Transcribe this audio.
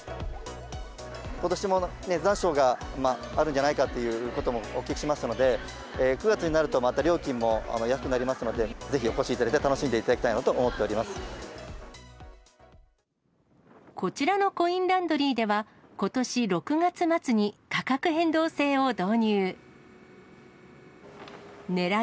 ことしも残暑があるんじゃないかということもお聞きしましたので、９月になると、また料金も安くなりますので、ぜひお越しいただいて、楽しんでいただきたいこちらのコインランドリーでは、ことし６月末に価格変動制を導入。